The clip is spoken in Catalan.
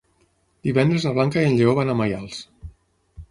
Divendres na Blanca i en Lleó van a Maials.